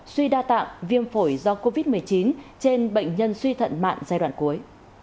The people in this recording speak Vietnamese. suy đa tạng viêm phổi do covid một mươi chín trên bệnh nhân suy thận mạng giai đoạn cuối